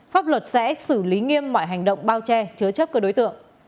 pháp luật sẽ xử lý nghiêm mọi hành động bao che chứa chấp các đối tượng